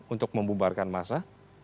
untuk membumbarkan massa